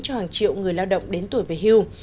cho hàng triệu người lao động đến tuổi về hưu